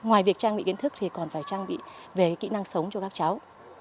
ngoài việc trang bị kiến thức thì còn phải trang bị về kỹ năng sống cho các cháu